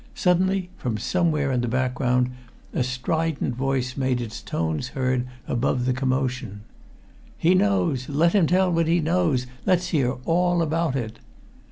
Suddenly, from somewhere in the background, a strident voice made its tones heard above the commotion: "He knows! Let him tell what he knows! Let's hear all about it!"